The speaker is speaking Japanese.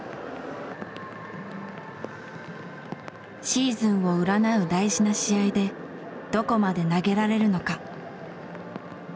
シーズンを占う大事な試合でどこまで投げられるのか。